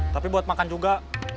tapi buat makan juga